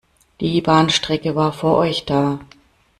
Die Bahnstrecke war vor euch da.